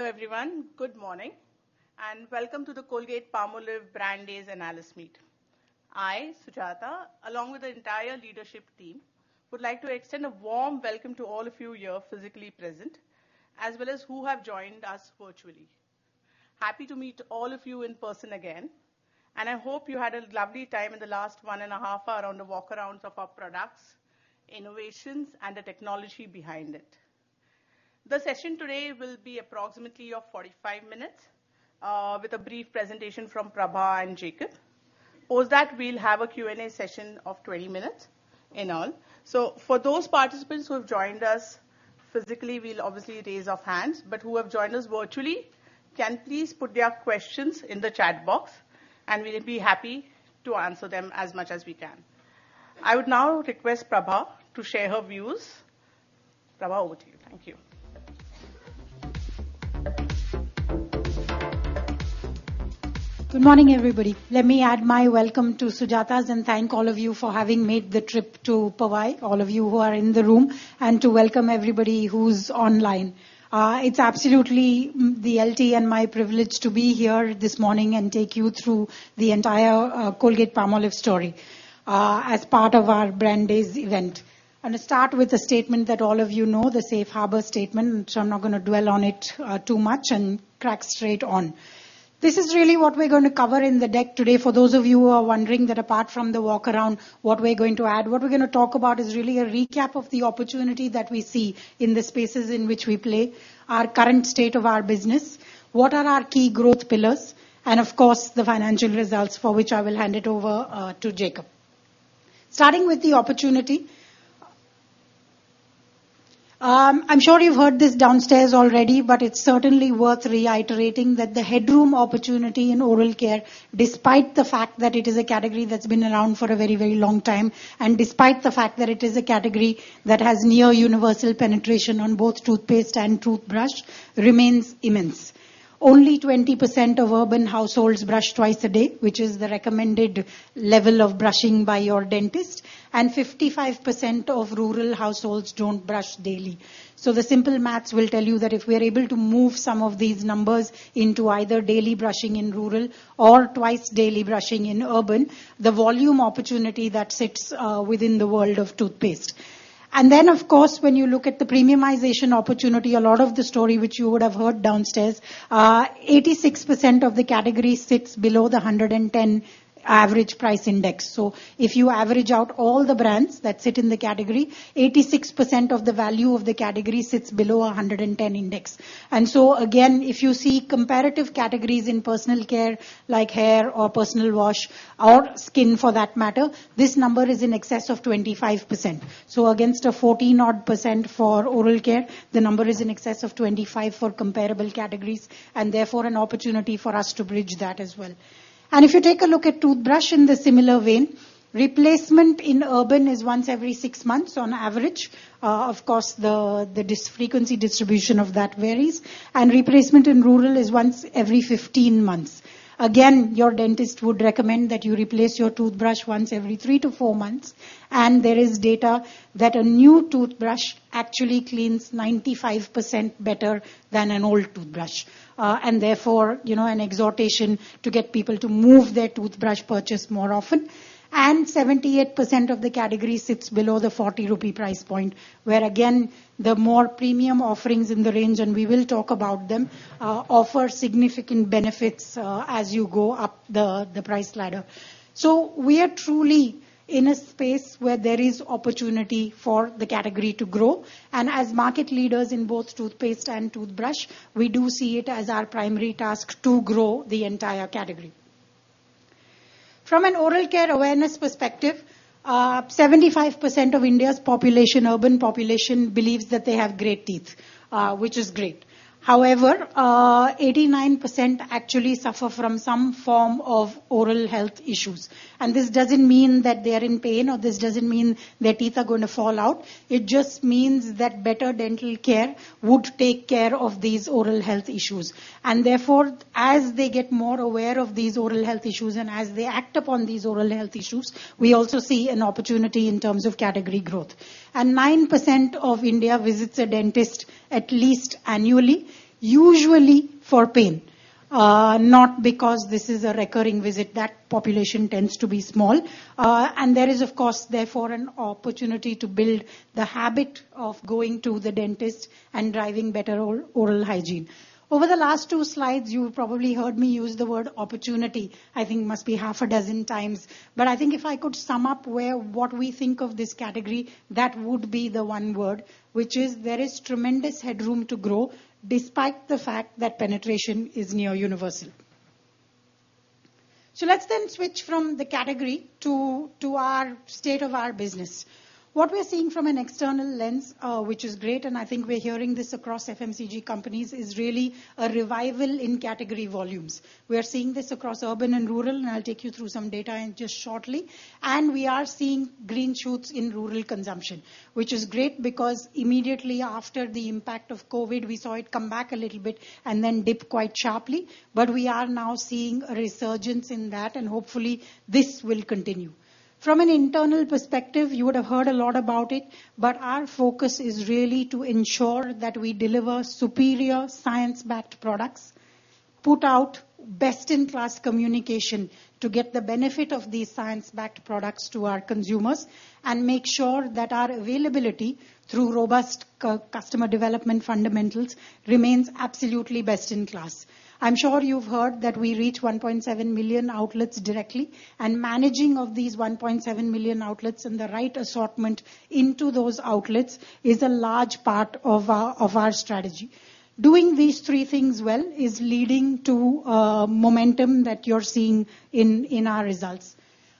Hello, everyone. Good morning. Welcome to the Colgate-Palmolive Brand Day Analyst Meet. I, Sujata, along with the entire leadership team, would like to extend a warm welcome to all of you here physically present, as well as who have joined us virtually. Happy to meet all of you in person again. I hope you had a lovely time in the last 1 and a half hour on the walk-arounds of our products, innovations, and the technology behind it. The session today will be approximately of 45 minutes with a brief presentation from Prabha and Jacob. Post that, we'll have a Q&A session of 20 minutes in all. For those participants who have joined us physically, we'll obviously raise of hands, but who have joined us virtually, can please put their questions in the chat box, and we'll be happy to answer them as much as we can. I would now request Prabha to share her views. Prabha, over to you. Thank you. Good morning, everybody. Let me add my welcome to Sujata's, and thank all of you for having made the trip to Powai, all of you who are in the room, and to welcome everybody who's online. It's absolutely the LT and my privilege to be here this morning and take you through the entire Colgate-Palmolive story as part of our Brand Day event. I'm gonna start with a statement that all of you know, the safe harbor statement, I'm not gonna dwell on it too much and track straight on. This is really what we're going to cover in the deck today, for those of you who are wondering that apart from the walk-around, what we're going to add. What we're gonna talk about is really a recap of the opportunity that we see in the spaces in which we play, our current state of our business, what are our key growth pillars, and of course, the financial results for which I will hand it over to Jacob. Starting with the opportunity, I'm sure you've heard this downstairs already, but it's certainly worth reiterating that the headroom opportunity in oral care, despite the fact that it is a category that's been around for a very, very long time, and despite the fact that it is a category that has near universal penetration on both toothpaste and toothbrush, remains immense. Only 20% of urban households brush twice a day, which is the recommended level of brushing by your dentist, and 55% of rural households don't brush daily. The simple math will tell you that if we are able to move some of these numbers into either daily brushing in rural or twice-daily brushing in urban, the volume opportunity that sits within the world of toothpaste. Then, of course, when you look at the premiumization opportunity, a lot of the story which you would have heard downstairs, 86% of the category sits below the 110 average price index. If you average out all the brands that sit in the category, 86% of the value of the category sits below a 110 index. So again, if you see comparative categories in personal care, like hair or personal wash or skin, for that matter, this number is in excess of 25%. Against a 14% odd for oral care, the number is in excess of 25 for comparable categories, and therefore an opportunity for us to bridge that as well. If you take a look at toothbrush in the similar vein, replacement in urban is once every 6 months on average. Of course, the frequency distribution of that varies, and replacement in rural is once every 15 months. Your dentist would recommend that you replace your toothbrush once every 3-4 months, and there is data that a new toothbrush actually cleans 95% better than an old toothbrush. Therefore, you know, an exhortation to get people to move their toothbrush purchase more often. 78% of the category sits below the 40 rupee price point, where again, the more premium offerings in the range, and we will talk about them, offer significant benefits as you go up the price ladder. We are truly in a space where there is opportunity for the category to grow, and as market leaders in both toothpaste and toothbrush, we do see it as our primary task to grow the entire category. From an oral care awareness perspective, 75% of India's population, urban population, believes that they have great teeth, which is great. However, 89% actually suffer from some form of oral health issues. This doesn't mean that they are in pain, or this doesn't mean their teeth are going to fall out. It just means that better dental care would take care of these oral health issues. Therefore, as they get more aware of these oral health issues, and as they act upon these oral health issues, we also see an opportunity in terms of category growth. 9% of India visits a dentist at least annually, usually for pain, not because this is a recurring visit. That population tends to be small, and there is, of course, therefore, an opportunity to build the habit of going to the dentist and driving better oral hygiene. Over the last 2 slides, you probably heard me use the word opportunity, I think it must be half a dozen times. I think if I could sum up where, what we think of this category, that would be the one word, which is there is tremendous headroom to grow, despite the fact that penetration is near universal. Let's then switch from the category to, to our state of our business. What we are seeing from an external lens, which is great, and I think we're hearing this across FMCG companies, is really a revival in category volumes. We are seeing this across urban and rural, and I'll take you through some data in just shortly. We are seeing green shoots in rural consumption, which is great because immediately after the impact of COVID, we saw it come back a little bit and then dip quite sharply. We are now seeing a resurgence in that, and hopefully, this will continue. From an internal perspective, you would have heard a lot about it, our focus is really to ensure that we deliver superior science-backed products. put out best-in-class communication to get the benefit of these science-backed products to our consumers, make sure that our availability through robust customer development fundamentals remains absolutely best in class. I'm sure you've heard that we reach 1.7 million outlets directly, managing of these 1.7 million outlets and the right assortment into those outlets is a large part of our, of our strategy. Doing these three things well is leading to momentum that you're seeing in, in our results.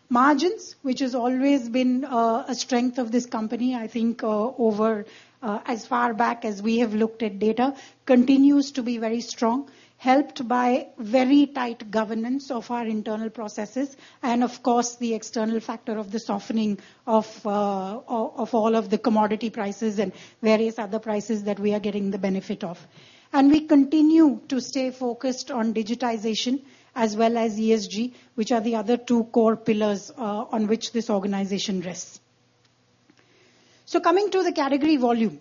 Margins, which has always been a strength of this company, I think, over as far back as we have looked at data, continues to be very strong, helped by very tight governance of our internal processes, and of course, the external factor of the softening of of all of the commodity prices and various other prices that we are getting the benefit of. We continue to stay focused on digitization as well as ESG, which are the other two core pillars on which this organization rests. Coming to the category volume,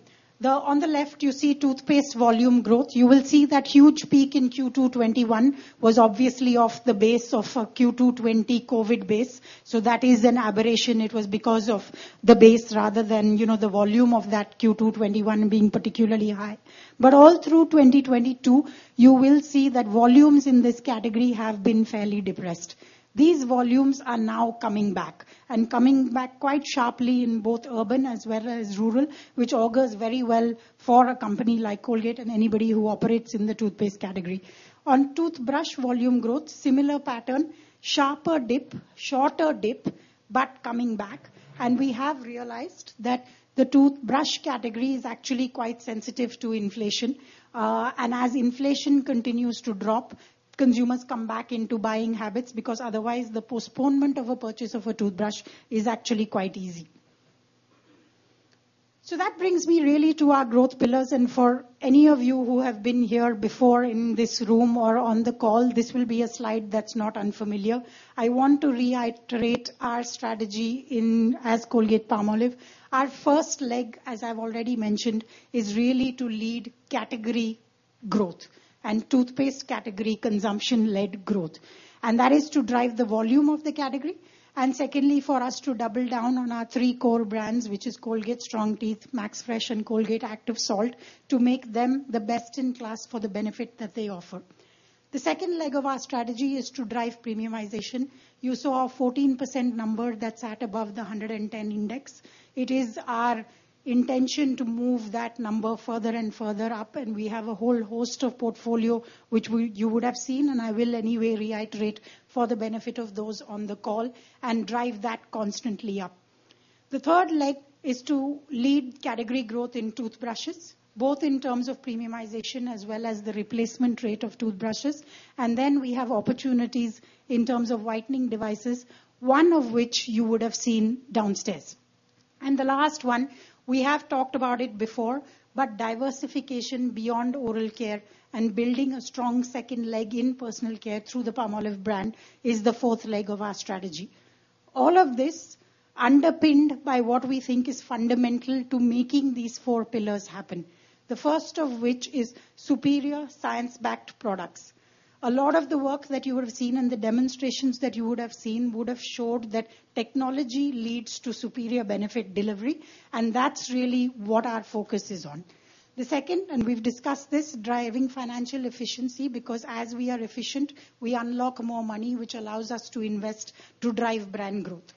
on the left, you see toothpaste volume growth. You will see that huge peak in Q2 2021 was obviously off the base of Q2 2020 COVID base, so that is an aberration. It was because of the base rather than, you know, the volume of that Q2 2021 being particularly high. All through 2022, you will see that volumes in this category have been fairly depressed. These volumes are now coming back, and coming back quite sharply in both urban as well as rural, which augurs very well for a company like Colgate and anybody who operates in the toothpaste category. On toothbrush volume growth, similar pattern, sharper dip, shorter dip, but coming back. We have realized that the toothbrush category is actually quite sensitive to inflation. As inflation continues to drop, consumers come back into buying habits, because otherwise the postponement of a purchase of a toothbrush is actually quite easy. That brings me really to our growth pillars, and for any of you who have been here before in this room or on the call, this will be a slide that's not unfamiliar. I want to reiterate our strategy as Colgate-Palmolive. Our first leg, as I've already mentioned, is really to lead category growth and toothpaste category consumption-led growth, and that is to drive the volume of the category. Secondly, for us to double down on our three core brands, which is Colgate Strong Teeth, MaxFresh, and Colgate Active Salt, to make them the best in class for the benefit that they offer. The second leg of our strategy is to drive premiumization. You saw a 14% number that sat above the 110 index. It is our intention to move that number further and further up, and we have a whole host of portfolio, which you would have seen, and I will anyway reiterate for the benefit of those on the call, and drive that constantly up. The third leg is to lead category growth in toothbrushes, both in terms of premiumization as well as the replacement rate of toothbrushes. Then we have opportunities in terms of whitening devices, one of which you would have seen downstairs. The last one, we have talked about it before, but diversification beyond oral care and building a strong second leg in personal care through the Palmolive brand, is the fourth leg of our strategy. All of this underpinned by what we think is fundamental to making these four pillars happen. The first of which is superior science-backed products. A lot of the work that you would have seen and the demonstrations that you would have seen would have showed that technology leads to superior benefit delivery. That's really what our focus is on. The second. We've discussed this, driving financial efficiency, because as we are efficient, we unlock more money, which allows us to invest to drive brand growth.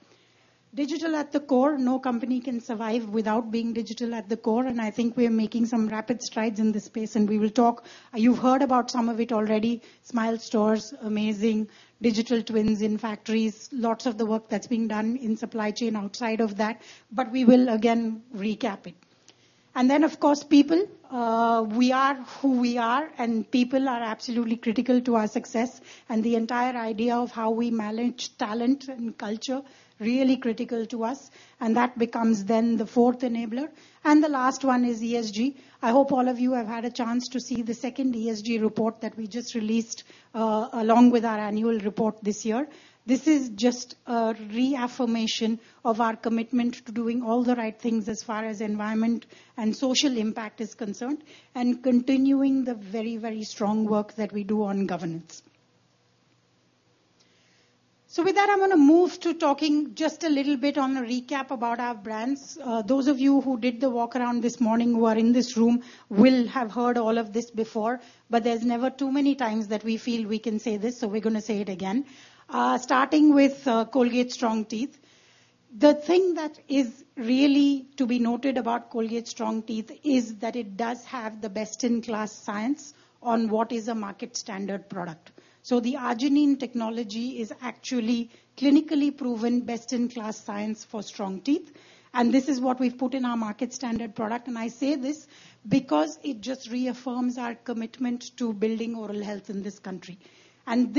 Digital at the core, no company can survive without being digital at the core. I think we are making some rapid strides in this space. We will talk... You've heard about some of it already, Smile Stores, amazing digital twins in factories, lots of the work that's being done in supply chain outside of that, but we will again recap it. Then, of course, people. We are who we are, and people are absolutely critical to our success and the entire idea of how we manage talent and culture, really critical to us, and that becomes then the fourth enabler. The last one is ESG. I hope all of you have had a chance to see the second ESG report that we just released along with our annual report this year. This is just a reaffirmation of our commitment to doing all the right things as far as environment and social impact is concerned, and continuing the very, very strong work that we do on governance. With that, I'm gonna move to talking just a little bit on a recap about our brands. Those of you who did the walk around this morning, who are in this room, will have heard all of this before, but there's never too many times that we feel we can say this, so we're gonna say it again. Starting with Colgate Strong Teeth. The thing that is really to be noted about Colgate Strong Teeth is that it does have the best-in-class science on what is a market-standard product. The arginine technology is actually clinically proven, best-in-class science for strong teeth, and this is what we've put in our market-standard product. I say this-... because it just reaffirms our commitment to building oral health in this country.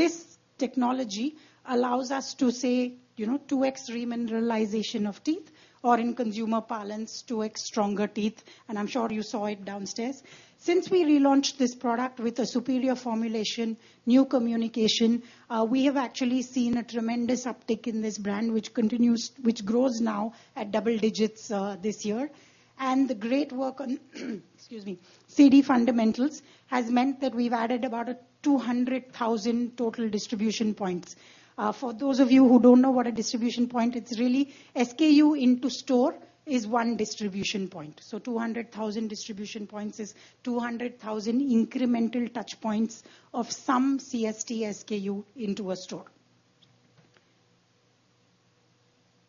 This technology allows us to say, you know, 2x remineralization of teeth, or in consumer parlance, 2x stronger teeth, and I'm sure you saw it downstairs. Since we relaunched this product with a superior formulation, new communication, we have actually seen a tremendous uptick in this brand, which grows now at double digits this year. The great work on excuse me, CD fundamentals has meant that we've added about 200,000 total distribution points. For those of you who don't know what a distribution point, it's really SKU into store is one distribution point. 200,000 distribution points is 200,000 incremental touch points of some CST SKU into a store.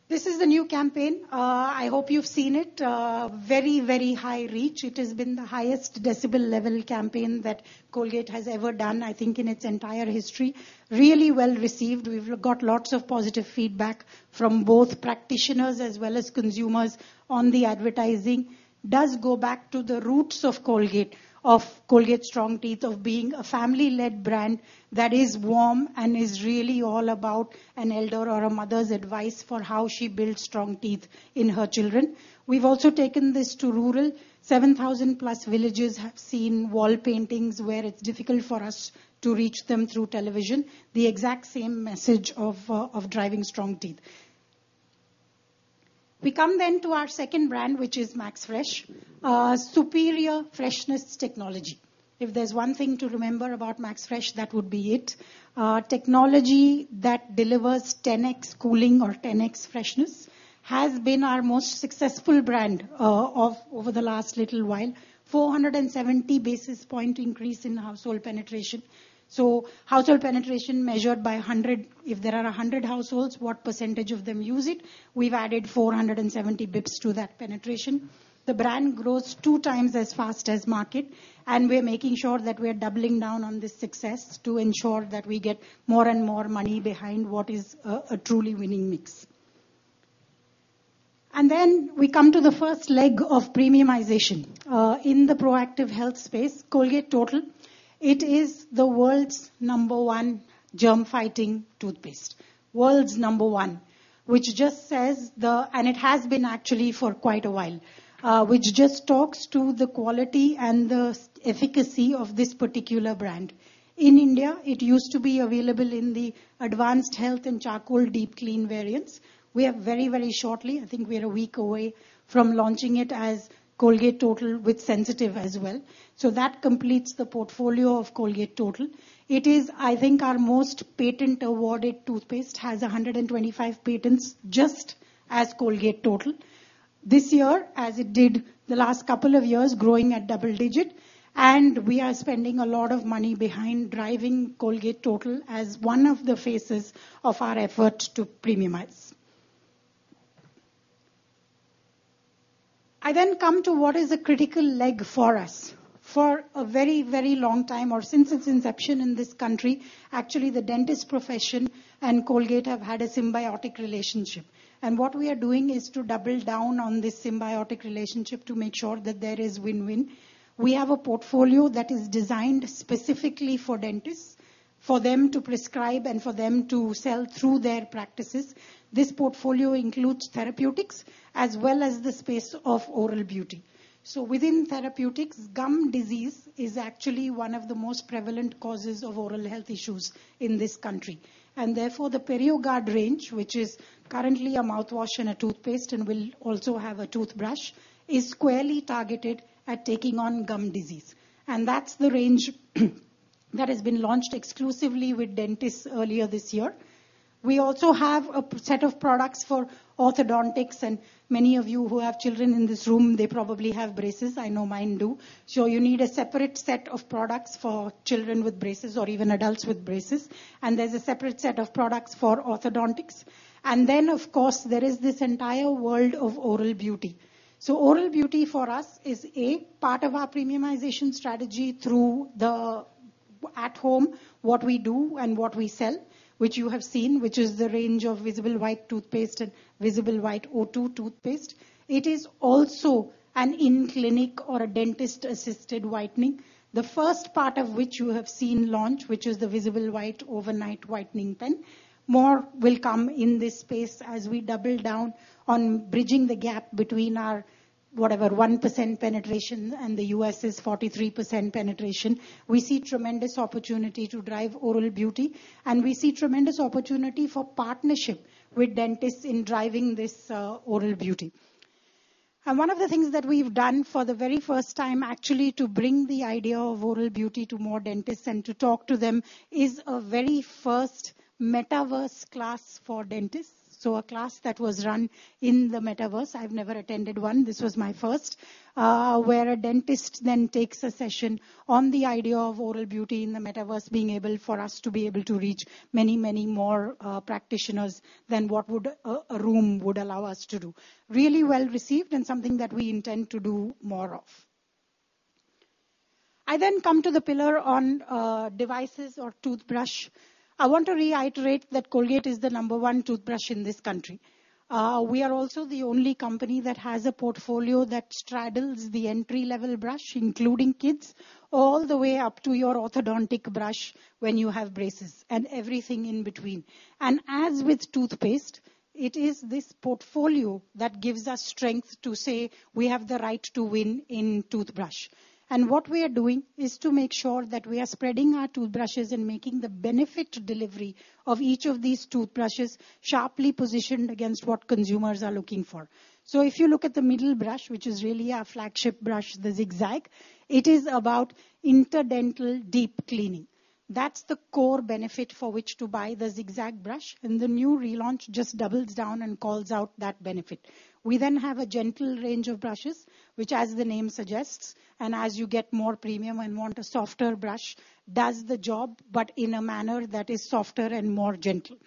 This is the new campaign. I hope you've seen it. Very, very high reach. It has been the highest decibel level campaign that Colgate has ever done, I think, in its entire history. Really well-received. We've got lots of positive feedback from both practitioners as well as consumers on the advertising. Does go back to the roots of Colgate, of Colgate Strong Teeth, of being a family-led brand that is warm and is really all about an elder or a mother's advice for how she builds strong teeth in her children. We've also taken this to rural. 7,000 plus villages have seen wall paintings where it's difficult for us to reach them through television. The exact same message of driving strong teeth. We come to our second brand, which is MaxFresh, superior freshness technology. If there's one thing to remember about MaxFresh, that would be it. Technology that delivers 10x cooling or 10x freshness has been our most successful brand of over the last little while. 470 basis point increase in household penetration. Household penetration measured by if there are 100 households, what percentage of them use it? We've added 470 basis points to that penetration. The brand grows 2 times as fast as market, and we're making sure that we are doubling down on this success to ensure that we get more and more money behind what is a, a truly winning mix. Then we come to the first leg of premiumization. In the proactive health space, Colgate Total, it is the world's number one germ-fighting toothpaste. World's number one, which just says it has been actually for quite a while, which just talks to the quality and the efficacy of this particular brand. In India, it used to be available in the Advanced Health and Charcoal Deep Clean variants. We are very, very shortly, I think we are 1 week away from launching it as Colgate Total with Sensitive as well. That completes the portfolio of Colgate Total. It is, I think, our most patent-awarded toothpaste, has 125 patents just as Colgate Total. This year, as it did the last couple of years, growing at double-digit, and we are spending a lot of money behind driving Colgate Total as one of the faces of our effort to premiumize. I then come to what is a critical leg for us. For a very, very long time, or since its inception in this country, actually, the dentist profession and Colgate have had a symbiotic relationship, and what we are doing is to double down on this symbiotic relationship to make sure that there is win-win. We have a portfolio that is designed specifically for dentists, for them to prescribe and for them to sell through their practices. This portfolio includes therapeutics as well as the space of oral beauty. Within therapeutics, gum disease is actually one of the most prevalent causes of oral health issues in this country, and therefore, the PerioGard range, which is currently a mouthwash and a toothpaste and will also have a toothbrush, is squarely targeted at taking on gum disease. That's the range that has been launched exclusively with dentists earlier this year. We also have a set of products for orthodontics, and many of you who have children in this room, they probably have braces. I know mine do. You need a separate set of products for children with braces or even adults with braces, and there's a separate set of products for orthodontics. Of course, there is this entire world of oral beauty. Oral beauty for us is, A, part of our premiumization strategy through the at home, what we do and what we sell, which you have seen, which is the range of Visible White toothpaste and Visible White O2 toothpaste. It is also an in-clinic or a dentist-assisted whitening. The first part of which you have seen launch, which is the Visible White Overnight Whitening Pen. More will come in this space as we double down on bridging the gap between our, whatever, 1% penetration and the U.S.'s 43% penetration. We see tremendous opportunity to drive oral beauty, and we see tremendous opportunity for partnership with dentists in driving this oral beauty. One of the things that we've done for the very first time, actually, to bring the idea of oral beauty to more dentists and to talk to them, is a very first metaverse class for dentists. A class that was run in the metaverse. I've never attended one. This was my first. Where a dentist then takes a session on the idea of oral beauty in the metaverse, being able for us to be able to reach many, many more practitioners than what would a room would allow us to do. Really well received and something that we intend to do more of. I then come to the pillar on devices or toothbrush. I want to reiterate that Colgate is the number one toothbrush in this country. We are also the only company that has a portfolio that straddles the entry-level brush, including kids, all the way up to your orthodontic brush when you have braces, and everything in between. As with toothpaste, it is this portfolio that gives us strength to say we have the right to win in toothbrush. What we are doing is to make sure that we are spreading our toothbrushes and making the benefit delivery of each of these toothbrushes sharply positioned against what consumers are looking for. If you look at the middle brush, which is really our flagship brush, the ZigZag, it is about interdental deep cleaning. That's the core benefit for which to buy the ZigZag brush, and the new relaunch just doubles down and calls out that benefit. We have a gentle range of brushes, which, as the name suggests, and as you get more premium and want a softer brush, does the job, but in a manner that is softer and more gentle.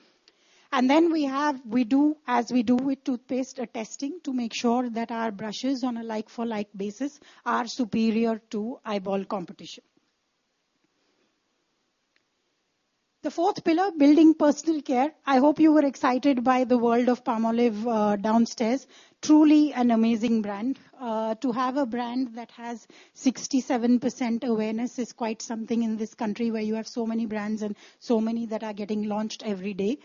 We do, as we do with toothpaste, a testing to make sure that our brushes, on a like-for-like basis, are superior to eyeball competition. The fourth pillar, building personal care. I hope you were excited by the world of Palmolive downstairs. Truly an amazing brand. To have a brand that has 67% awareness is quite something in this country where you have so many brands and so many that are getting launched every day.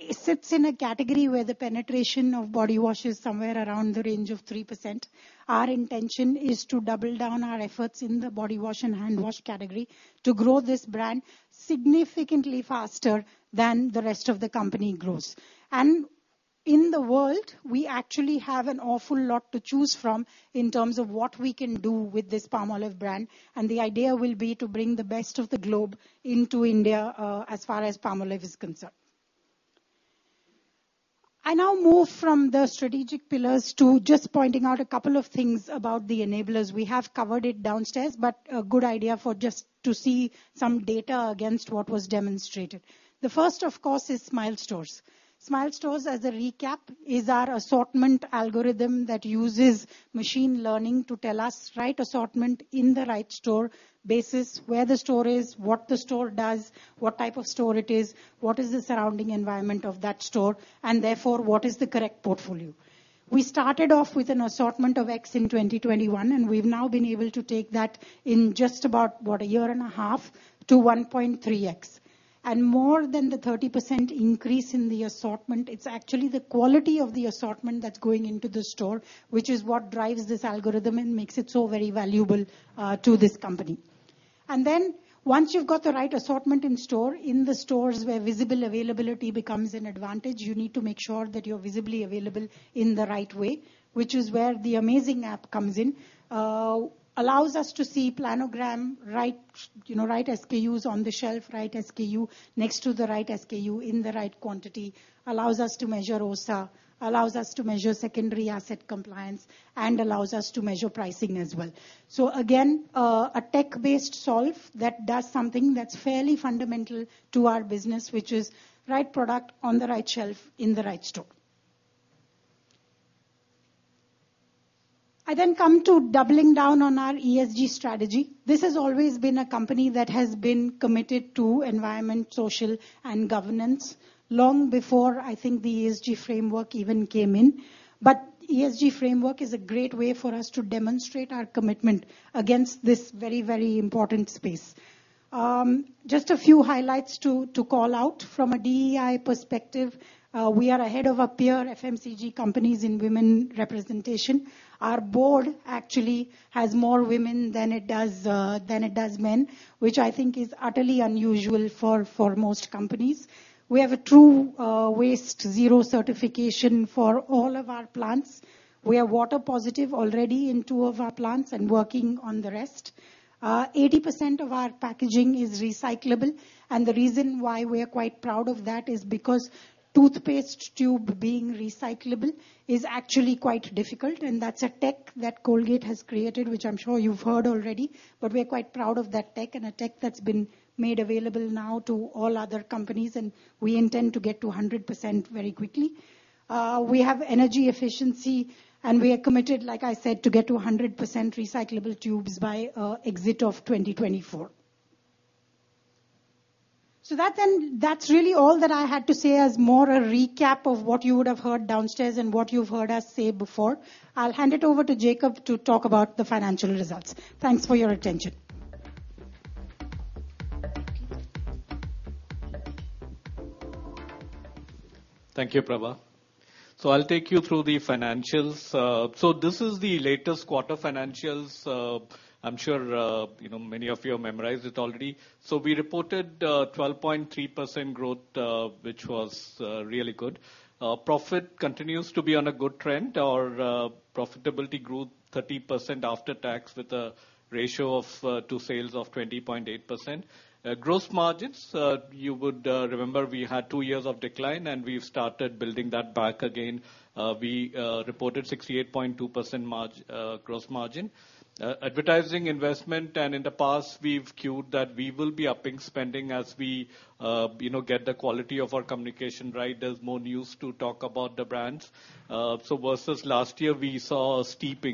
It sits in a category where the penetration of body wash is somewhere around the range of 3%. Our intention is to double down our efforts in the body wash and hand wash category to grow this brand significantly faster than the rest of the company grows. In the world, we actually have an awful lot to choose from in terms of what we can do with this Palmolive brand, and the idea will be to bring the best of the globe into India, as far as Palmolive is concerned. I now move from the strategic pillars to just pointing out a couple of things about the enablers. We have covered it downstairs, but a good idea for just to see some data against what was demonstrated. The first, of course, is Smile Stores. Smile Stores, as a recap, is our assortment algorithm that uses machine learning to tell us right assortment in the right store, basis, where the store is, what the store does, what type of store it is, what is the surrounding environment of that store. Therefore, what is the correct portfolio? We started off with an assortment of X in 2021. We've now been able to take that in just about, what, a year and a half to 1.3x. More than the 30% increase in the assortment, it's actually the quality of the assortment that's going into the store, which is what drives this algorithm and makes it so very valuable to this company. Then, once you've got the right assortment in store, in the stores where visible availability becomes an advantage, you need to make sure that you're visibly available in the right way, which is where the AmaZing app comes in. allows us to see planogram, right, you know, right SKUs on the shelf, right SKU next to the right SKU in the right quantity, allows us to measure OSA, allows us to measure secondary asset compliance, and allows us to measure pricing as well. Again, a tech-based solve that does something that's fairly fundamental to our business, which is right product on the right shelf in the right store. I then come to doubling down on our ESG strategy. This has always been a company that has been committed to environment, social, and governance long before I think the ESG framework even came in. ESG framework is a great way for us to demonstrate our commitment against this very, very important space. Just a few highlights to, to call out from a DEI perspective, we are ahead of our peer FMCG companies in women representation. Our board actually has more women than it does, than it does men, which I think is utterly unusual for, for most companies. We have a true, waste zero certification for all of our plants. We are water positive already in two of our plants and working on the rest. 80% of our packaging is recyclable. The reason why we are quite proud of that is because toothpaste tube being recyclable is actually quite difficult. That's a tech that Colgate has created, which I'm sure you've heard already, but we are quite proud of that tech. A tech that's been made available now to all other companies. We intend to get to 100% very quickly. We have energy efficiency. We are committed, like I said, to get to 100% recyclable tubes by exit of 2024. That's really all that I had to say as more a recap of what you would have heard downstairs and what you've heard us say before. I'll hand it over to Jacob to talk about the financial results. Thanks for your attention. Thank you, Prabha. I'll take you through the financials. This is the latest quarter financials. I'm sure, you know, many of you have memorized it already. We reported 12.3% growth, which was really good. Profit continues to be on a good trend. Our profitability grew 30% after tax, with a ratio to sales of 20.8%. Gross margins, you would remember, we had 2 years of decline, and we've started building that back again. We reported 68.2% gross margin. Advertising investment, and in the past, we've cued that we will be upping spending as we, you know, get the quality of our communication right. There's more news to talk about the brands. Versus last year, we saw a steep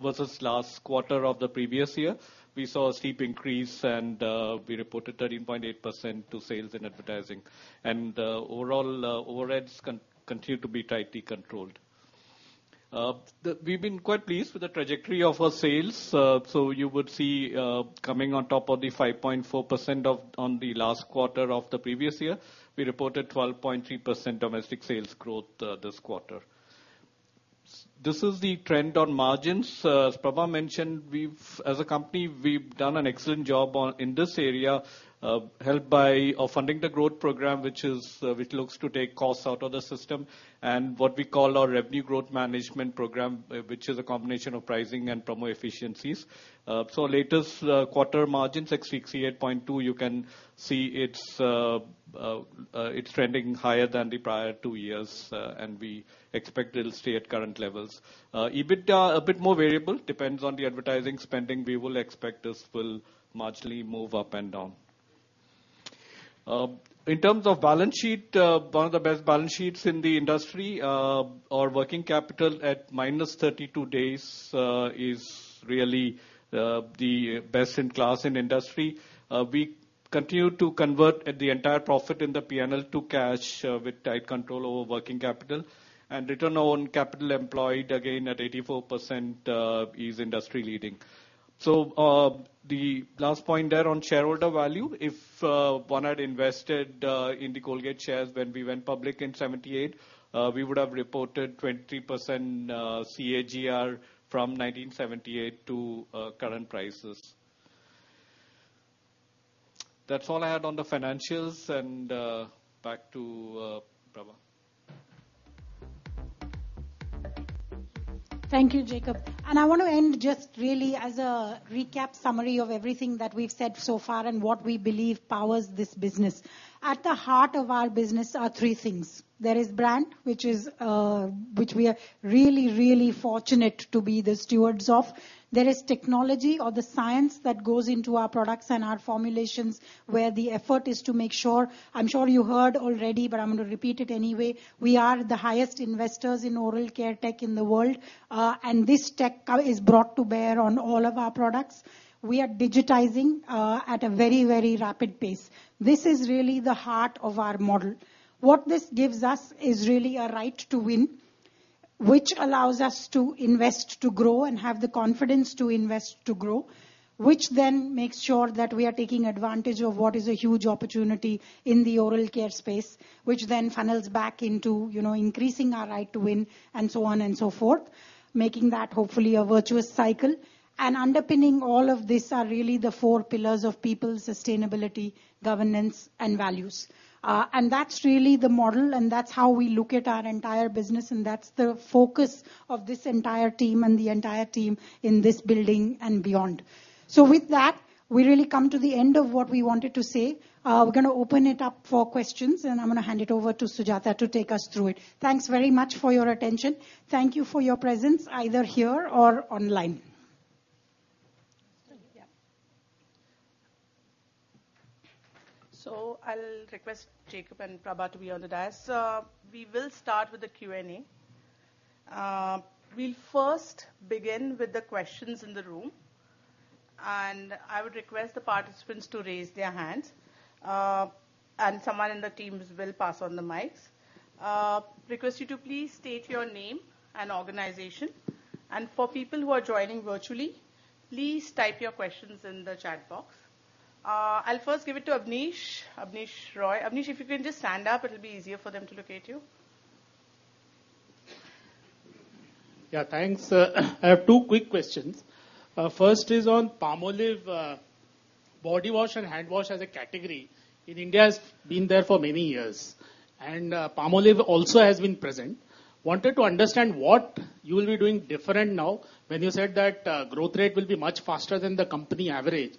versus last quarter of the previous year, we saw a steep increase, and we reported 13.8% to sales and advertising. Overall, overheads continue to be tightly controlled. The we've been quite pleased with the trajectory of our sales. You would see, coming on top of the 5.4% of on the last quarter of the previous year, we reported 12.3% domestic sales growth, this quarter. This is the trend on margins. As Prabha mentioned, as a company, we've done an excellent job on, in this area, helped by our Funding the Growth program, which is, which looks to take costs out of the system, and what we call our Revenue Growth Management program, which is a combination of pricing and promo efficiencies. Latest quarter margins, 68.2, you can see it's trending higher than the prior 2 years, and we expect it'll stay at current levels. EBITDA, a bit more variable, depends on the advertising spending. We will expect this will marginally move up and down. In terms of balance sheet, one of the best balance sheets in the industry. Our working capital at -32 days is really the best in class in industry. We continue to convert the entire profit in the P&L to cash, with tight control over working capital, and return on capital employed, again, at 84%, is industry-leading. The last point there on shareholder value, if one had invested in the Colgate shares when we went public in 1978, we would have reported 20% CAGR from 1978 to current prices. That's all I had on the financials, back to Prabha. Thank you, Jacob. I want to end just really as a recap summary of everything that we've said so far and what we believe powers this business. At the heart of our business are three things: There is brand, which is, which we are really, really fortunate to be the stewards of. There is technology or the science that goes into our products and our formulations, where the effort is to make sure. I'm sure you heard already, but I'm going to repeat it anyway, we are the highest investors in oral care tech in the world, and this tech is brought to bear on all of our products. We are digitizing at a very, very rapid pace. This is really the heart of our model. What this gives us is really a right to win, which allows us to invest, to grow, and have the confidence to invest to grow, which then makes sure that we are taking advantage of what is a huge opportunity in the oral care space, which then funnels back into, you know, increasing our right to win and so on and so forth, making that hopefully a virtuous cycle. Underpinning all of this are really the four pillars of people, sustainability, governance, and values. That's really the model, and that's how we look at our entire business, and that's the focus of this entire team and the entire team in this building and beyond. With that, we really come to the end of what we wanted to say. We're going to open it up for questions, and I'm going to hand it over to Sujata to take us through it. Thanks very much for your attention. Thank you for your presence, either here or online. Yeah. I'll request Jacob and Prabha to be on the dais. We will start with the Q&A. We'll first begin with the questions in the room, and I would request the participants to raise their hands, and someone in the teams will pass on the mics. Request you to please state your name and organization, and for people who are joining virtually, please type your questions in the chat box. I'll first give it to Abneesh, Abneesh Roy. Abneesh, if you can just stand up, it'll be easier for them to locate you. Yeah, thanks. I have 2 quick questions. First is on Palmolive, body wash and hand wash as a category in India has been there for many years, and Palmolive also has been present. Wanted to understand what you will be doing different now when you said that growth rate will be much faster than the company average.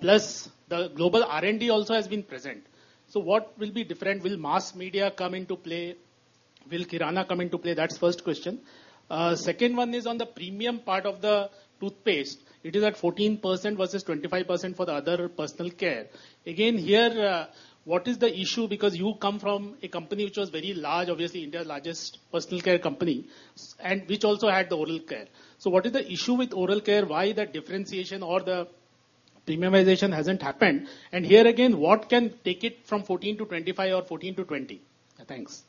Plus, the global R&D also has been present. What will be different? Will mass media come into play? Will Kirana come into play? That's first question. Second one is on the premium part of the toothpaste. It is at 14% versus 25% for the other personal care. Again, here, what is the issue? Because you come from a company which was very large, obviously India's largest personal care company, and which also had the oral care. What is the issue with oral care? Why the differentiation or the premiumization hasn't happened? Here again, what can take it from 14 to 25 or 14 to 20? Thanks.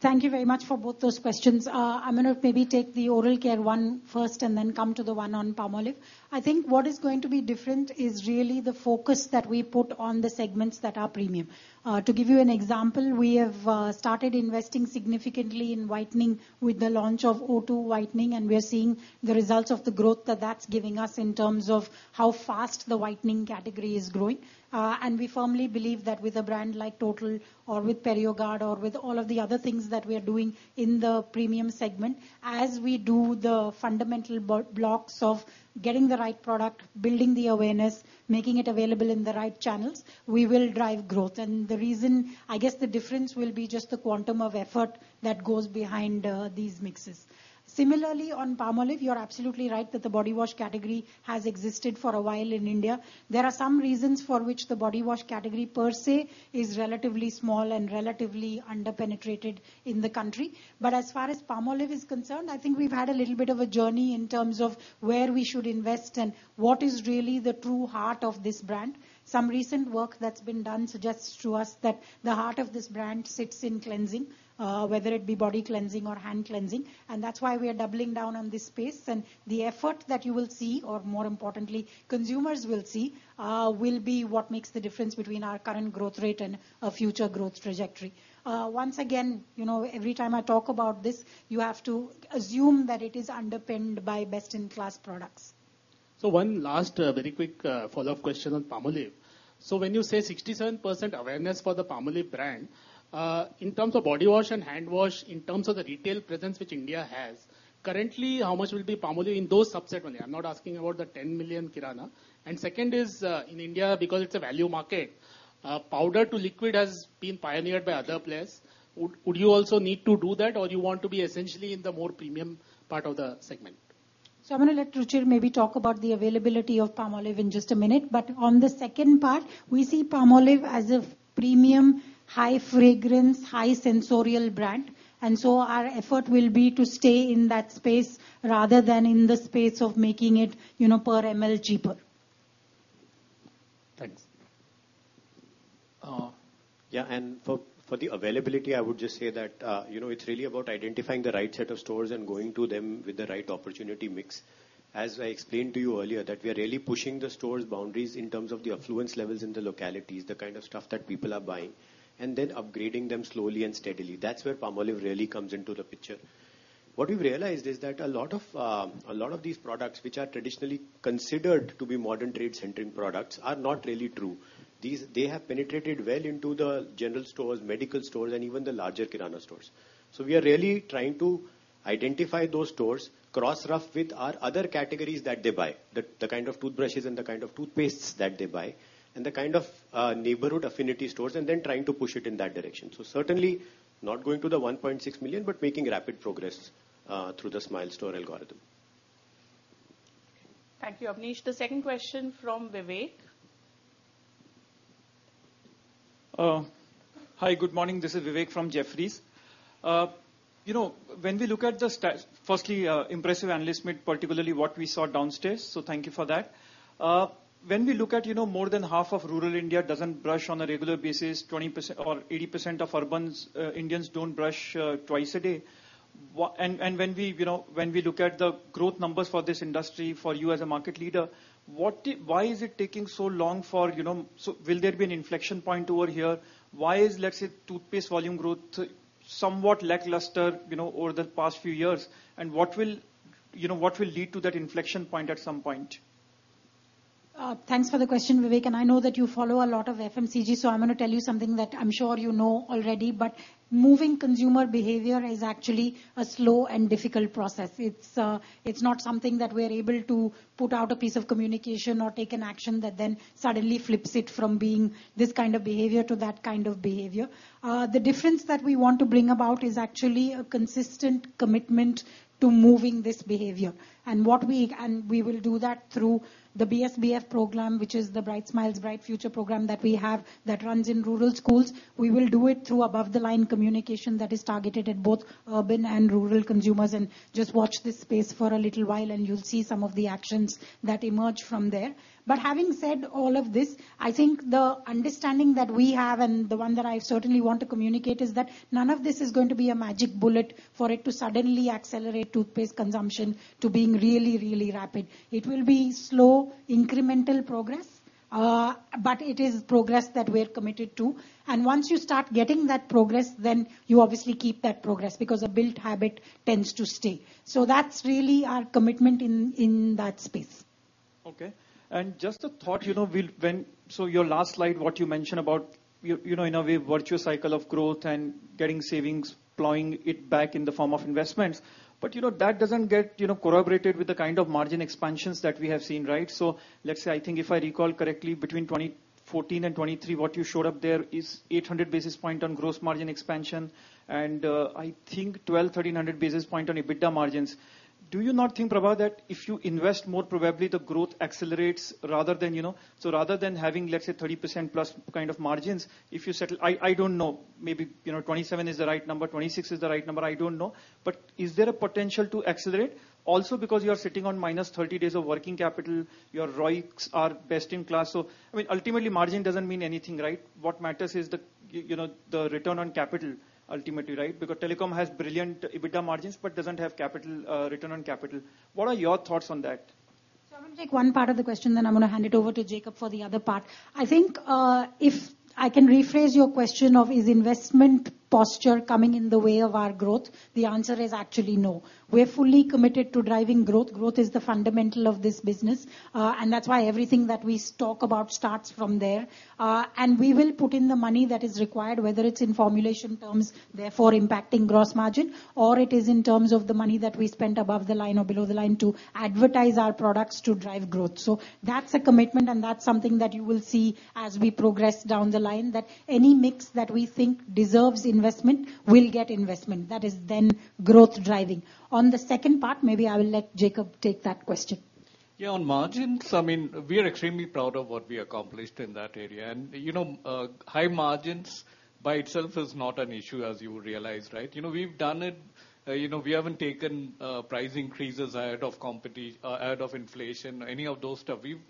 Thank you very much for both those questions. I'm gonna maybe take the oral care one first, and then come to the one on Palmolive. I think what is going to be different is really the focus that we put on the segments that are premium. To give you an example, we have started investing significantly in whitening with the launch of O2 Whitening, and we are seeing the results of the growth that that's giving us in terms of how fast the whitening category is growing. We firmly believe that with a brand like Total or with PerioGard or with all of the other things that we are doing in the premium segment, as we do the fundamental blocks of getting the right product, building the awareness, making it available in the right channels, we will drive growth. I guess the difference will be just the quantum of effort that goes behind these mixes. Similarly, on Palmolive, you're absolutely right that the body wash category has existed for a while in India. There are some reasons for which the body wash category, per se, is relatively small and relatively under-penetrated in the country. As far as Palmolive is concerned, I think we've had a little bit of a journey in terms of where we should invest and what is really the true heart of this brand. Some recent work that's been done suggests to us that the heart of this brand sits in cleansing, whether it be body cleansing or hand cleansing, and that's why we are doubling down on this space. The effort that you will see, or more importantly, consumers will see, will be what makes the difference between our current growth rate and a future growth trajectory. Once again, you know, every time I talk about this, you have to assume that it is underpinned by best-in-class products. So one last, very quick, follow-up question on Palmolive. So when you say 67% awareness for the Palmolive brand, in terms of body wash and hand wash, in terms of the retail presence which India has, currently, how much will be Palmolive in those subset only? I'm not asking about the 10 million kirana. Second is, in India, because it's a value market, powder to liquid has been pioneered by other players. Would, would you also need to do that, or you want to be essentially in the more premium part of the segment? I'm gonna let Ruchir maybe talk about the availability of Palmolive in just a minute. On the second part, we see Palmolive as a premium, high fragrance, high sensorial brand. Our effort will be to stay in that space rather than in the space of making it, you know, per ml cheaper. Thanks. Yeah, for, for the availability, I would just say that, you know, it's really about identifying the right set of stores and going to them with the right opportunity mix. As I explained to you earlier, that we are really pushing the stores' boundaries in terms of the affluence levels in the localities, the kind of stuff that people are buying, and then upgrading them slowly and steadily. That's where Palmolive really comes into the picture. What we've realized is that a lot of, a lot of these products, which are traditionally considered to be modern trade-centric products, are not really true. They have penetrated well into the general stores, medical stores, and even the larger kirana stores. We are really trying to identify those stores, cross-ref with our other categories that they buy, the, the kind of toothbrushes and the kind of toothpastes that they buy, and the kind of neighborhood affinity stores, and then trying to push it in that direction. Certainly, not going to the 1.6 million, but making rapid progress through the Smile Store algorithm. Thank you, Abneesh. The second question from Vivek. Hi, good morning. This is Vivek from Jefferies. You know, when we look at firstly, impressive analyst meet, particularly what we saw downstairs, so thank you for that. When we look at, you know, more than half of rural India doesn't brush on a regular basis, 20% or 80% of urbans, Indians don't brush twice a day. And when we, you know, when we look at the growth numbers for this industry, for you as a market leader, what why is it taking so long for, you know... Will there be an inflection point over here? Why is, let's say, toothpaste volume growth somewhat lackluster, you know, over the past few years? What will, you know, what will lead to that inflection point at some point? Thanks for the question, Vivek, and I know that you follow a lot of FMCG, so I'm going to tell you something that I'm sure you know already, but moving consumer behavior is actually a slow and difficult process. It's, it's not something that we're able to put out a piece of communication or take an action that then suddenly flips it from being this kind of behavior to that kind of behavior. The difference that we want to bring about is actually a consistent commitment to moving this behavior. What we -- and we will do that through the BSBF program, which is the Bright Smiles, Bright Futures program that we have, that runs in rural schools. We will do it through above-the-line communication that is targeted at both urban and rural consumers. Just watch this space for a little while, and you'll see some of the actions that emerge from there. Having said all of this, I think the understanding that we have, and the one that I certainly want to communicate, is that none of this is going to be a magic bullet for it to suddenly accelerate toothpaste consumption to being really, really rapid. It will be slow, incremental progress, but it is progress that we're committed to. Once you start getting that progress, then you obviously keep that progress, because a built habit tends to stay. That's really our commitment in, in that space. Okay. Just a thought, you know, we'll, your last slide, what you mentioned about, you know, in a way, virtuous cycle of growth and getting savings, plowing it back in the form of investments. You know, that doesn't get, you know, corroborated with the kind of margin expansions that we have seen, right? Let's say, I think if I recall correctly, between 2014 and 2023, what you showed up there is 800 basis points on gross margin expansion, and I think 1,200-1,300 basis points on EBITDA margins. Do you not think, Prabha, that if you invest more, probably the growth accelerates rather than, you know? Rather than having, let's say, 30%+ kind of margins, if you settle... I, I don't know, maybe, you know, 27 is the right number, 26 is the right number, I don't know. Is there a potential to accelerate? Also, because you are sitting on -30 days of working capital, your ROICs are best in class, so I mean, ultimately, margin doesn't mean anything, right? What matters is the, you know, the return on capital ultimately, right? Because telecom has brilliant EBITDA margins, but doesn't have capital, return on capital. What are your thoughts on that? I'm going to take one part of the question, then I'm going to hand it over to Jacob for the other part. I think, if I can rephrase your question of, is investment posture coming in the way of our growth? The answer is actually no. We're fully committed to driving growth. Growth is the fundamental of this business, and that's why everything that we talk about starts from there. We will put in the money that is required, whether it's in formulation terms, therefore impacting gross margin, or it is in terms of the money that we spent above the line or below the line to advertise our products to drive growth. That's a commitment, and that's something that you will see as we progress down the line, that any mix that we think deserves investment will get investment. That is then growth driving. On the second part, maybe I will let Jacob take that question. Yeah, on margins, I mean, we are extremely proud of what we accomplished in that area. You know, high margins by itself is not an issue, as you realize, right? You know, we've done it, you know, we haven't taken price increases ahead of inflation, or any of those stuff. We've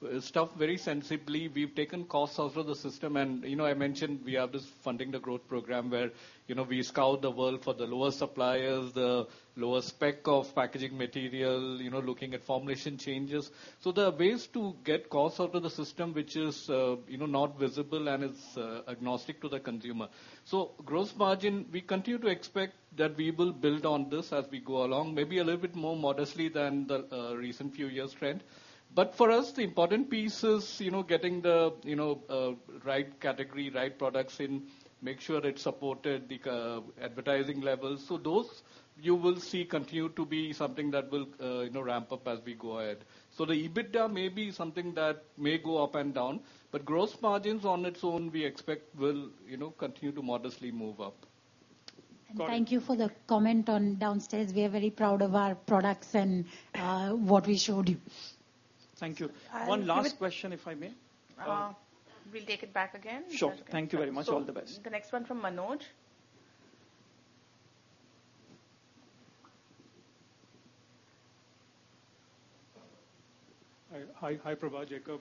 done stuff very sensibly. We've taken costs out of the system. You know, I mentioned we have this Funding the Growth program, where, you know, we scout the world for the lower suppliers, the lower spec of packaging material, you know, looking at formulation changes. There are ways to get costs out of the system, which is, you know, not visible, and it's agnostic to the consumer. Gross margin, we continue to expect that we will build on this as we go along, maybe a little bit more modestly than the recent few years' trend. For us, the important piece is, you know, getting the, you know, right category, right products in, make sure it's supported, the advertising levels. Those, you will see continue to be something that will, you know, ramp up as we go ahead. The EBITDA may be something that may go up and down, but gross margins on its own, we expect will, you know, continue to modestly move up. thank you for the comment on downstairs. We are very proud of our products and what we showed you. Thank you. I- One last question, if I may? We'll take it back again. Sure. Thank you very much. All the best. The next one from Manoj. Hi, hi, Prabha, Jacob,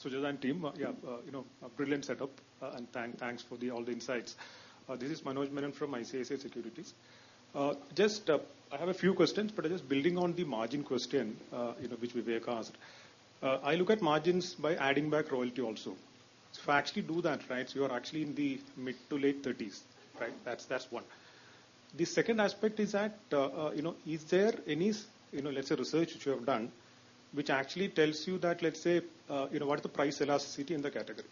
Sujata and team. Yeah, you know, a brilliant setup, and thank, thanks for the, all the insights. This is Manoj Menon from ICICI Securities. Just, I have a few questions, but just building on the margin question, you know, which we were asked. I look at margins by adding back royalty also. If I actually do that, right, you are actually in the mid to late 30s, right? That's, that's 1. The second aspect is that, you know, is there any, you know, let's say, research which you have done, which actually tells you that, let's say, you know, what is the price elasticity in the category?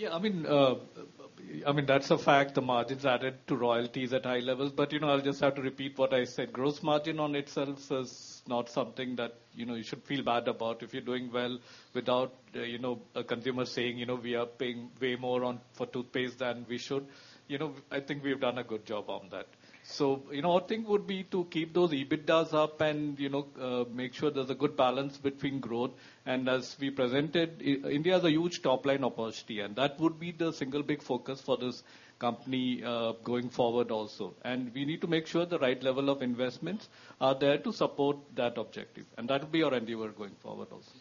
Yeah, that's a fact, the margins added to royalties at high levels. I'll just have to repeat what I said. Gross margin on itself is not something that, you know, you should feel bad about. If you're doing well without, you know, a consumer saying, you know, "We are paying way more on for toothpaste than we should," you know, I think we've done a good job on that. Our thing would be to keep those EBITDAs up and, you know, make sure there's a good balance between growth. As we presented, India has a huge top line opportunity, and that would be the single big focus for this company, going forward also. We need to make sure the right level of investments are there to support that objective, and that would be our endeavor going forward also.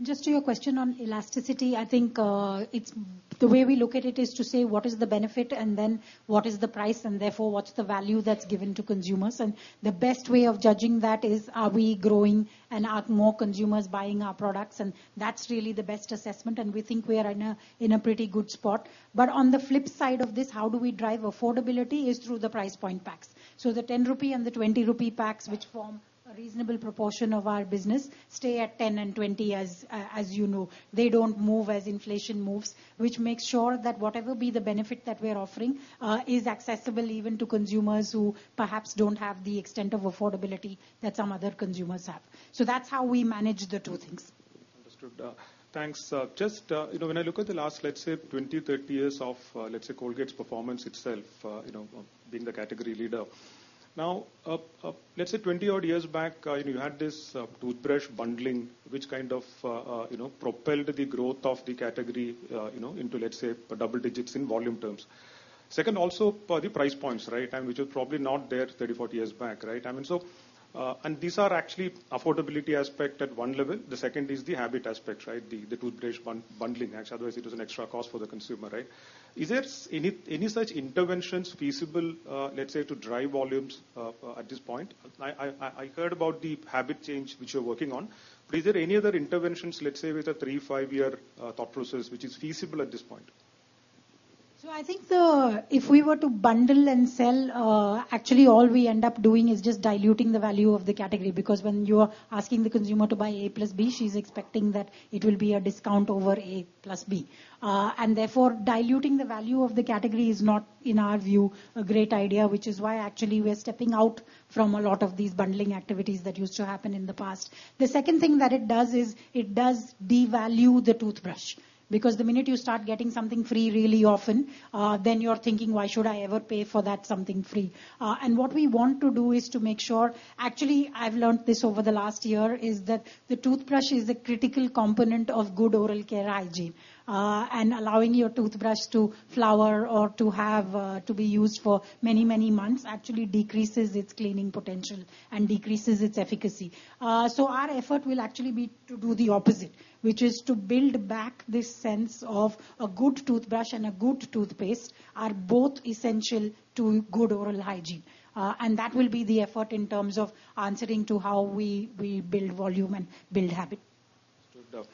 Just to your question on elasticity, I think, The way we look at it is to say what is the benefit and then what is the price, and therefore, what's the value that's given to consumers. The best way of judging that is, are we growing and are more consumers buying our products? That's really the best assessment, and we think we are in a, in a pretty good spot. On the flip side of this, how do we drive affordability is through the price point packs. The 10 rupee and the 20 rupee packs, which form a reasonable proportion of our business, stay at 10 and 20, as, as you know. They don't move as inflation moves, which makes sure that whatever be the benefit that we're offering, is accessible even to consumers who perhaps don't have the extent of affordability that some other consumers have. That's how we manage the two things. Understood. Thanks. Just, you know, when I look at the last, let's say, 20, 30 years of, let say, Colgate's performance itself, you know, being the category leader. Now, let's say 20 odd years back, you know, you had this, toothbrush bundling, which kind of, you know, propelled the growth of the category, you know, into, let's say, double-digits in volume terms. Second, also, for the price points, right? Which is probably not there 30, 40 years back, right? I mean, these are actually affordability aspect at 1 level. The second is the habit aspect, right? The, the toothbrush bundling aspect. Otherwise, it is an extra cost for the consumer, right? Is there any, any such interventions feasible, let's say, to drive volumes, at this point? I heard about the habit change which you're working on, but is there any other interventions, let's say, with a 3, 5-year, thought process, which is feasible at this point? I think if we were to bundle and sell, actually all we end up doing is just diluting the value of the category. Because when you are asking the consumer to buy A plus B, she's expecting that it will be a discount over A plus B. Therefore, diluting the value of the category is not, in our view, a great idea, which is why actually we're stepping out from a lot of these bundling activities that used to happen in the past. The second thing that it does is, it does devalue the toothbrush, because the minute you start getting something free really often, then you're thinking: "Why should I ever pay for that something free?" What we want to do is to make sure... Actually, I've learned this over the last year, is that the toothbrush is a critical component of good oral care hygiene. Allowing your toothbrush to flower or to have, to be used for many, many months, actually decreases its cleaning potential and decreases its efficacy. Our effort will actually be to do the opposite, which is to build back this sense of a good toothbrush and a good toothpaste are both essential to good oral hygiene. That will be the effort in terms of answering to how we, we build volume and build habit. Understood.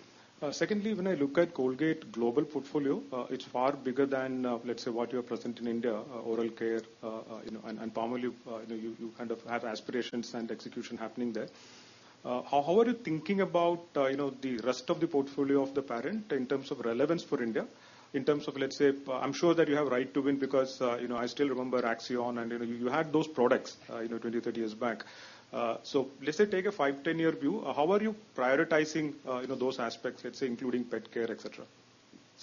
Secondly, when I look at Colgate global portfolio, it's far bigger than, let's say, what you have present in India, oral care, and Palmolive, you, you kind of have aspirations and execution happening there. How are you thinking about, you know, the rest of the portfolio of the parent in terms of relevance for India, in terms of, let's say. I'm sure that you have Right to Win, because, you know, I still remember Axion and, you know, you had those products, you know, 20, 30 years back. Let's say, take a 5, 10-year view, how are you prioritizing, you know, those aspects, let's say, including pet care, et cetera?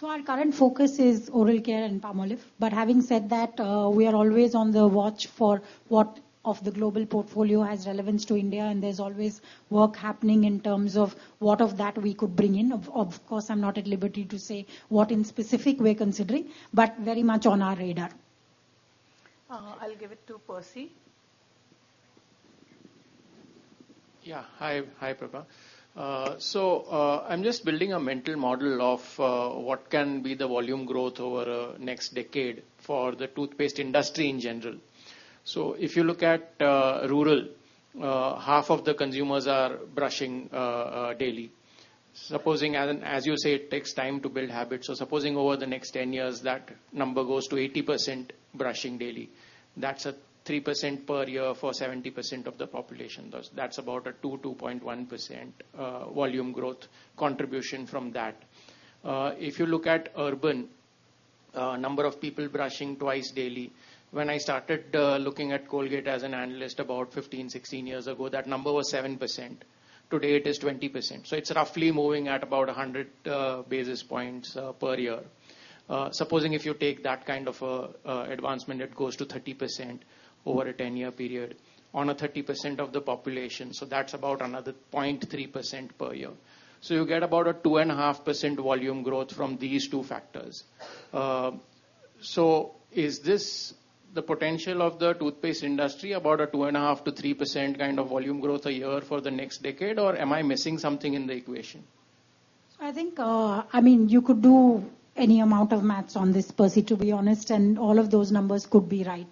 Our current focus is oral care and Palmolive. Having said that, we are always on the watch for what of the global portfolio has relevance to India, and there's always work happening in terms of what of that we could bring in. Of course, I'm not at liberty to say what in specific we're considering, but very much on our radar. I'll give it to Percy. Yeah. Hi, hi, Prabha. I'm just building a mental model of what can be the volume growth over next decade for the toothpaste industry in general. If you look at rural, half of the consumers are brushing daily. Supposing, and as you say, it takes time to build habits, supposing over the next 10 years, that number goes to 80% brushing daily. That's a 3% per year for 70% of the population. Thus, that's about a 2-2.1% volume growth contribution from that. If you look at urban, number of people brushing twice daily, when I started looking at Colgate as an analyst about 15-16 years ago, that number was 7%. Today, it is 20%. It's roughly moving at about 100 basis points per year. Supposing if you take that kind of a, a advancement, it goes to 30% over a 10-year period on a 30% of the population, so that's about another 0.3% per year. You get about a 2.5% volume growth from these two factors. Is this the potential of the toothpaste industry, about a 2.5%-3% kind of volume growth a year for the next decade? Am I missing something in the equation? I think, I mean, you could do any amount of maths on this, Percy, to be honest, and all of those numbers could be right.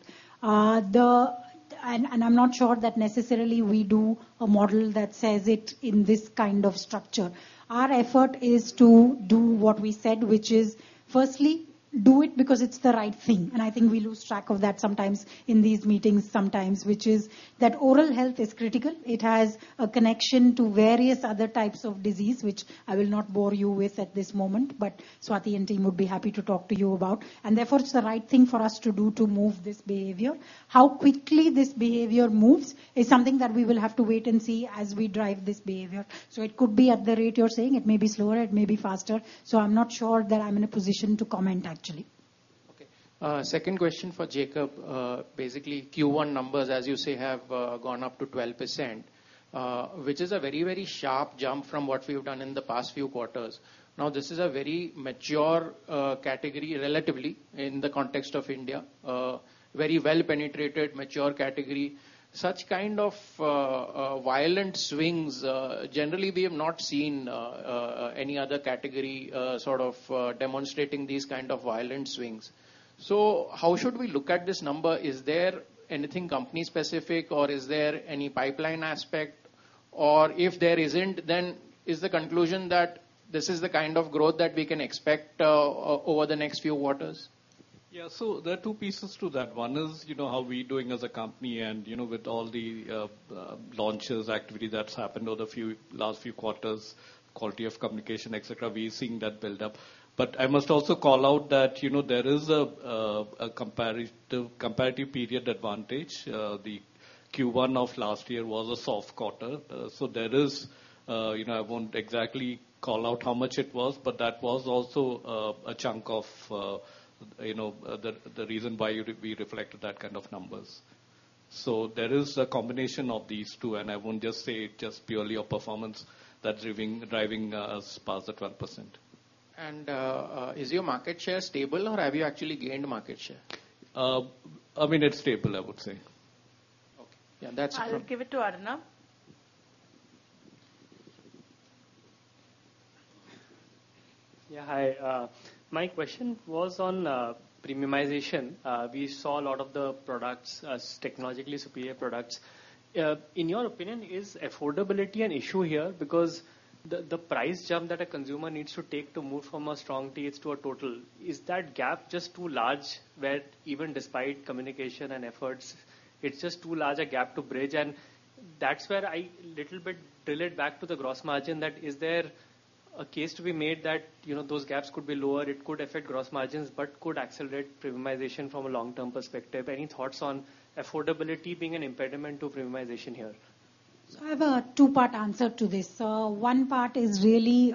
I'm not sure that necessarily we do a model that says it in this kind of structure. Our effort is to do what we said, which is firstly, do it because it's the right thing, and I think we lose track of that sometimes in these meetings sometimes, which is that oral health is critical. It has a connection to various other types of disease, which I will not bore you with at this moment, but Swati and team would be happy to talk to you about. Therefore, it's the right thing for us to do to move this behavior. How quickly this behavior moves is something that we will have to wait and see as we drive this behavior. It could be at the rate you're saying, it may be slower, it may be faster, I'm not sure that I'm in a position to comment, actually. Okay. Second question for Jacob. Basically, Q1 numbers, as you say, have gone up to 12%, which is a very, very sharp jump from what we've done in the past few quarters. Now, this is a very mature category, relatively, in the context of India, very well-penetrated, mature category. Such kind of violent swings, generally, we have not seen any other category, sort of, demonstrating these kind of violent swings. How should we look at this number? Is there anything company specific or is there any pipeline aspect? If there isn't, then is the conclusion that this is the kind of growth that we can expect over the next few quarters? Yeah, there are two pieces to that. One is, you know, how we're doing as a company, and, you know, with all the launches, activity that's happened over the last few quarters, quality of communication, et cetera, we are seeing that build up. I must also call out that, you know, there is a comparative period advantage. The Q1 of last year was a soft quarter, there is, you know, I won't exactly call out how much it was, but that was also a chunk of, you know, the, the reason why we reflected that kind of numbers. There is a combination of these two, and I won't just say just purely a performance that's driving, driving us past the 12%. Is your market share stable or have you actually gained market share? I mean, it's stable, I would say. Okay, yeah, that's- I'll give it to Arnab. Yeah, hi. My question was on premiumization. We saw a lot of the products as technologically superior products. In your opinion, is affordability an issue here? Because the price jump that a consumer needs to take to move from a Strong Teeth to a Total, is that gap just too large, where even despite communication and efforts, it's just too large a gap to bridge? That's where I little bit relate back to the gross margin, that is there a case to be made that, you know, those gaps could be lower, it could affect gross margins, but could accelerate premiumization from a long-term perspective. Any thoughts on affordability being an impediment to premiumization here? I have a 2-part answer to this. 1 part is really,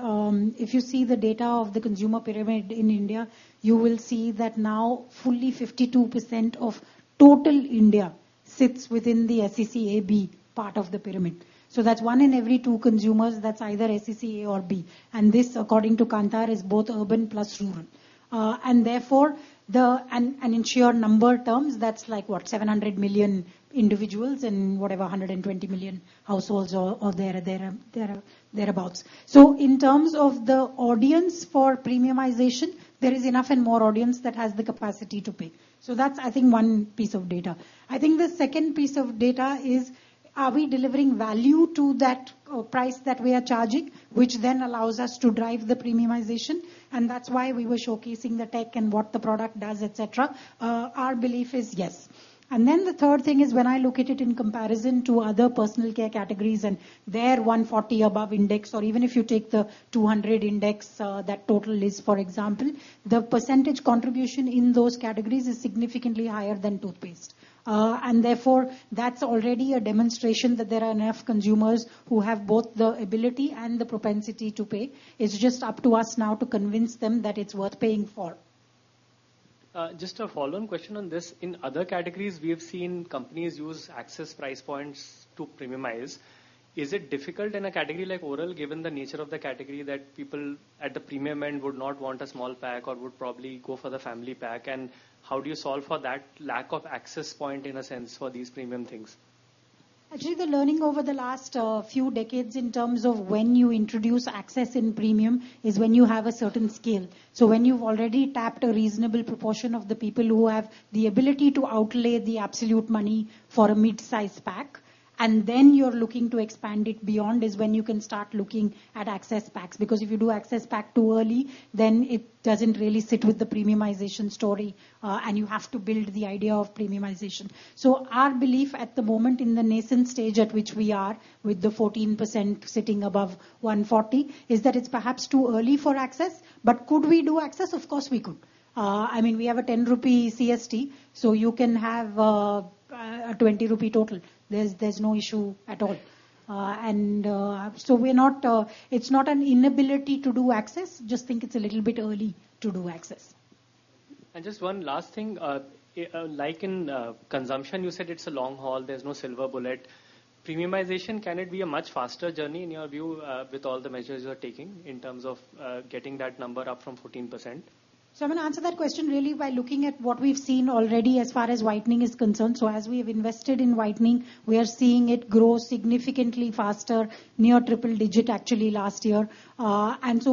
if you see the data of the consumer pyramid in India, you will see that now fully 52% of total India sits within the SEC AB part of the pyramid. That's 1 in every 2 consumers, that's either SEC A or B, and this, according to Kantar, is both urban plus rural. Therefore, in sheer number terms, that's like, what? 700 million individuals and whatever, 120 million households or thereabouts. In terms of the audience for premiumization, there is enough and more audience that has the capacity to pay. That's I think 1 piece of data. I think the second piece of data is: Are we delivering value to that price that we are charging, which then allows us to drive the premiumization? That's why we were showcasing the tech and what the product does, et cetera. Our belief is yes. The third thing is when I look at it in comparison to other personal care categories and their 140 above index, or even if you take the 200 index, that Colgate Total is, for example, the % contribution in those categories is significantly higher than toothpaste. That's already a demonstration that there are enough consumers who have both the ability and the propensity to pay. It's just up to us now to convince them that it's worth paying for. Just a follow-on question on this. In other categories, we have seen companies use access price points to premiumize. Is it difficult in a category like oral, given the nature of the category, that people at the premium end would not want a small pack or would probably go for the family pack? How do you solve for that lack of access point, in a sense, for these premium things? Actually, the learning over the last few decades in terms of when you introduce access in premium is when you have a certain scale. When you've already tapped a reasonable proportion of the people who have the ability to outlay the absolute money for a mid-size pack, and then you're looking to expand it beyond, is when you can start looking at access packs. Because if you do access pack too early, then it doesn't really sit with the premiumization story, and you have to build the idea of premiumization. Our belief at the moment, in the nascent stage at which we are, with the 14% sitting above 140, is that it's perhaps too early for access. Could we do access? Of course, we could. I mean, we have a 10 rupee CST, so you can have a 20 rupee Colgate Total. There's, there's no issue at all. We're not, it's not an inability to do access, just think it's a little bit early to do access. Just one last thing. Like in consumption, you said it's a long haul, there's no silver bullet. Premiumization, can it be a much faster journey in your view, with all the measures you are taking in terms of getting that number up from 14%? I'm going to answer that question really by looking at what we've seen already as far as whitening is concerned. As we have invested in whitening, we are seeing it grow significantly faster, near triple digit, actually last year.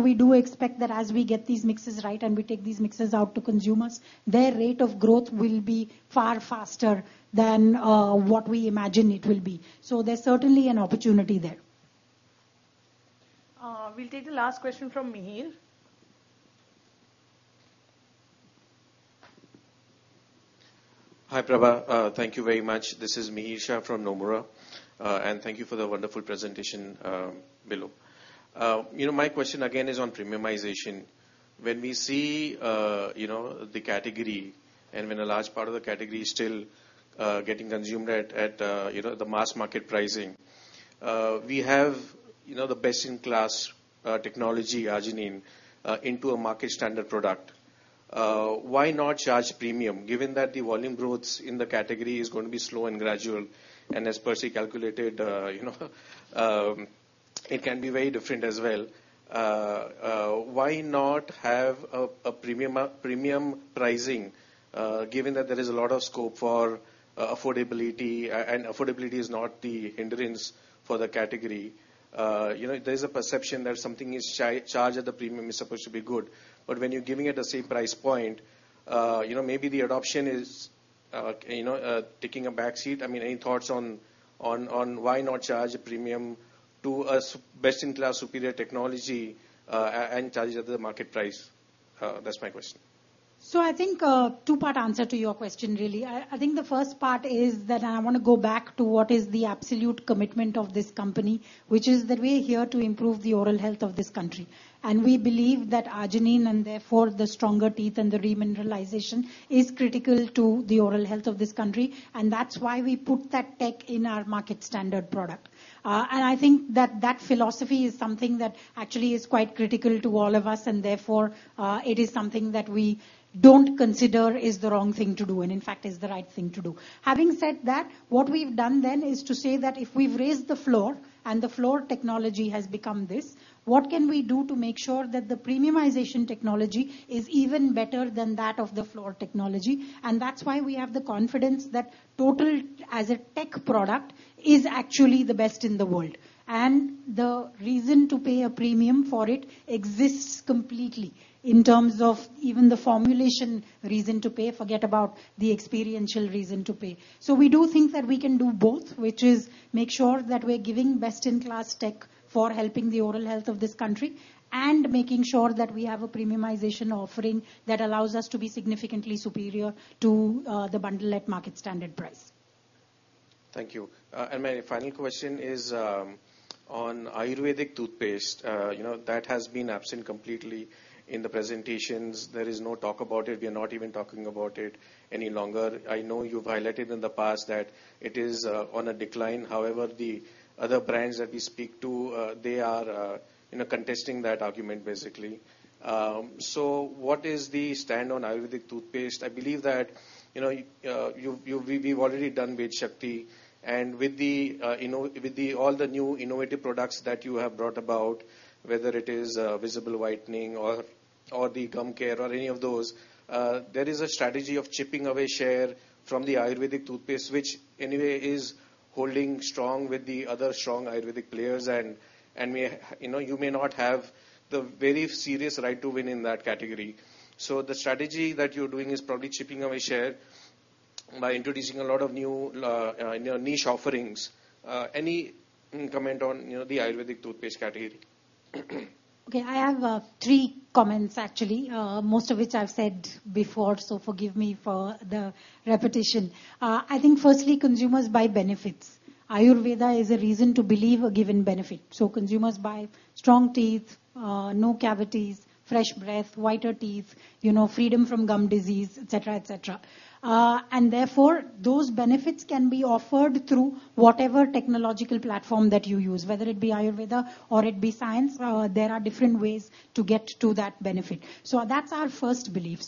We do expect that as we get these mixes right and we take these mixes out to consumers, their rate of growth will be far faster than what we imagine it will be. There's certainly an opportunity there. We'll take the last question from Mihir. Hi, Prabha. Thank you very much. This is Mihir Shah from Nomura. Thank you for the wonderful presentation, below. You know, my question again is on premiumization. When we see, you know, the category and when a large part of the category is still getting consumed at, at, you know, the mass market pricing, we have, you know, the best-in-class technology Arginine into a market standard product. Why not charge premium, given that the volume growth in the category is going to be slow and gradual, and as Percy calculated, you know, it can be very different as well. Why not have a premium pricing, given that there is a lot of scope for affordability, and affordability is not the hindrance for the category? You know, there's a perception that something is charged at a premium is supposed to be good, but when you're giving it the same price point, you know, maybe the adoption is, you know, taking a backseat. I mean, any thoughts on, on, on why not charge a premium to a best-in-class superior technology, and charge at the market price? That's my question. I think a two-part answer to your question, really. I, I think the first part is that I want to go back to what is the absolute commitment of this company, which is that we're here to improve the oral health of this country. We believe that Arginine, and therefore the stronger teeth and the remineralization, is critical to the oral health of this country, and that's why we put that tech in our market standard product. I think that that philosophy is something that actually is quite critical to all of us, and therefore, it is something that we don't consider is the wrong thing to do, and in fact, is the right thing to do. Having said that, what we've done then is to say that if we've raised the floor, and the floor technology has become this, what can we do to make sure that the premiumization technology is even better than that of the floor technology? That's why we have the confidence that Total as a tech product is actually the best in the world. The reason to pay a premium for it exists completely in terms of even the formulation reason to pay, forget about the experiential reason to pay. We do think that we can do both, which is make sure that we're giving best-in-class tech for helping the oral health of this country, and making sure that we have a premiumization offering that allows us to be significantly superior to the bundle at market standard price. Thank you. My final question is, on Ayurvedic toothpaste. You know, that has been absent completely in the presentations. There is no talk about it. We are not even talking about it any longer. I know you've highlighted in the past that it is on a decline. However, the other brands that we speak to, they are, you know, contesting that argument, basically. What is the stand on Ayurvedic toothpaste? I believe that, you know, you've we've already done Colgate Vedshakti, and with the all the new innovative products that you have brought about, whether it is visible whitening or, or the gum care or any of those, there is a strategy of chipping away share from the Ayurvedic toothpaste, which anyway is holding strong with the other strong Ayurvedic players and may, you know, you may not have the very serious right to win in that category. The strategy that you're doing is probably chipping away share by introducing a lot of new, you know, niche offerings. Any comment on, you know, the Ayurvedic toothpaste category? Okay, I have three comments, actually, most of which I've said before, so forgive me for the repetition. I think firstly, consumers buy benefits. Ayurveda is a reason to believe a given benefit. Consumers buy strong teeth, no cavities, fresh breath, whiter teeth, you know, freedom from gum disease, et cetera, et cetera. Therefore, those benefits can be offered through whatever technological platform that you use, whether it be Ayurveda or it be science, there are different ways to get to that benefit. That's our first belief.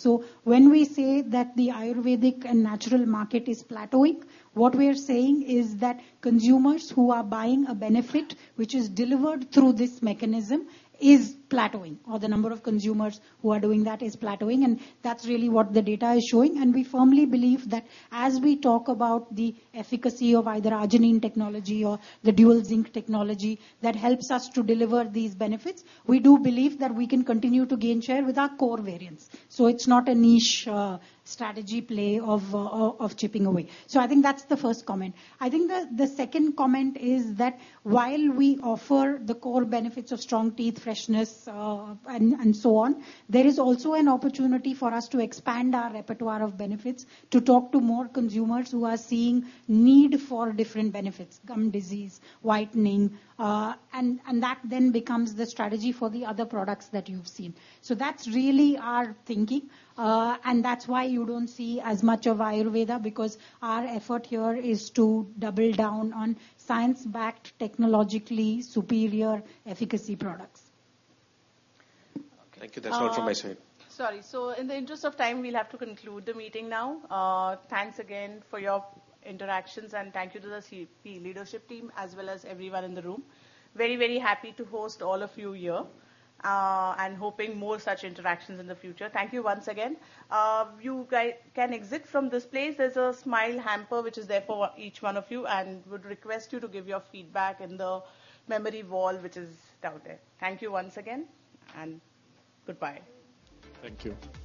When we say that the Ayurvedic and natural market is plateauing, what we are saying is that consumers who are buying a benefit which is delivered through this mechanism is plateauing, or the number of consumers who are doing that is plateauing, and that's really what the data is showing. We firmly believe that as we talk about the efficacy of either Arginine technology or the Dual Zinc technology, that helps us to deliver these benefits, we do believe that we can continue to gain share with our core variants. It's not a niche, strategy play of chipping away. I think that's the first comment. I think the, the second comment is that while we offer the core benefits of strong teeth, freshness, and so on, there is also an opportunity for us to expand our repertoire of benefits, to talk to more consumers who are seeing need for different benefits: gum disease, whitening. That then becomes the strategy for the other products that you've seen. That's really our thinking, and that's why you don't see as much of Ayurveda, because our effort here is to double down on science-backed, technologically superior efficacy products. Thank you. That's all from my side. Sorry. In the interest of time, we'll have to conclude the meeting now. Thanks again for your interactions, and thank you to the CP leadership team, as well as everyone in the room. Very, very happy to host all of you here, and hoping more such interactions in the future. Thank you once again. You can exit from this place. There's a smile hamper, which is there for each one of you, and would request you to give your feedback in the memory wall, which is down there. Thank you once again, and goodbye. Thank you.